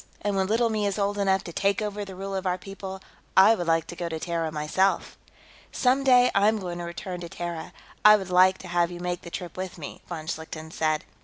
And when Little Me is old enough to take over the rule of our people, I would like to go to Terra, myself." "Some day, I am going to return to Terra; I would like to have you make the trip with me," von Schlichten said.